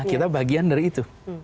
kita bagian dari itu